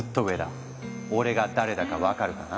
俺が誰だか分かるかな？」。